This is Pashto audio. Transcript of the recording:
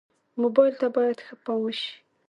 موبایل ته باید ښه پام وشي.